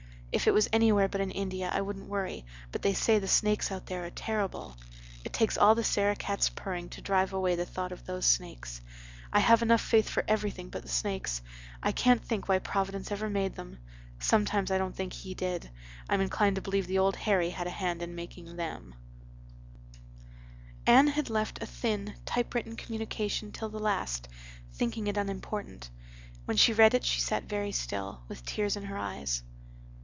If it was anywhere but in India I wouldn't worry, but they say the snakes out there are terrible. It takes all the Sarah cats's purring to drive away the thought of those snakes. I have enough faith for everything but the snakes. I can't think why Providence ever made them. Sometimes I don't think He did. I'm inclined to believe the Old Harry had a hand in making them." Anne had left a thin, typewritten communication till the last, thinking it unimportant. When she had read it she sat very still, with tears in her eyes.